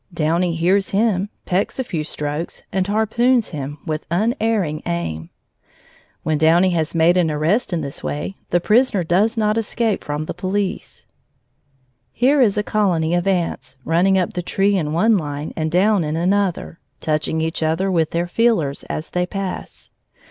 Downy hears him, pecks a few strokes, and harpoons him with unerring aim. When Downy has made an arrest in this way, the prisoner does not escape from the police. Here is a colony of ants, running up the tree in one line and down in another, touching each other with their feelers as they pass.